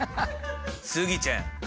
スギちゃん！